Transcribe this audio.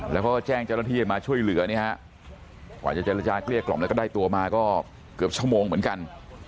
แล้วก็แจ้งเจ้าหน้าที่ให้มาช่วยเหลือเนี่ยฮะกว่าจะเจรจาเกลี้ยกล่อมแล้วก็ได้ตัวมาก็เกือบชั่วโมงเหมือนกัน